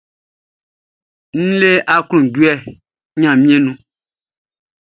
Mi le akloundjouê oh Gnanmien nou.